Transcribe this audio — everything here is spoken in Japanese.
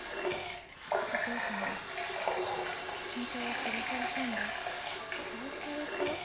「お父さんは本当は殺されたんだ」って殺された？